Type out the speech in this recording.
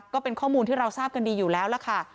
ก็เป็นข้อมูลที่เราทราบกันดีอยู่แล้วล่ะค่ะ